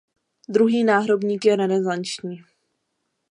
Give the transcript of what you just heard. Druhý náhrobník je renesanční.